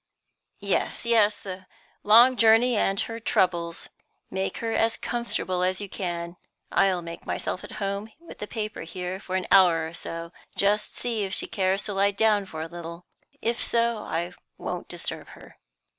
"Yes, yes; the long journey and her troubles. Make her as comfortable as you can. I'll make myself at home with the paper here for an hour or so. Just see if she cares to lie down for a little; if so I won't disturb her."